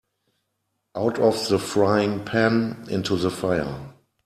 Out of the frying pan into the fire.